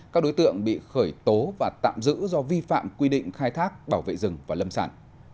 các đối tượng bị khởi tố và tạm giữ do vi phạm quy định khai thác bảo vệ rừng và lâm sản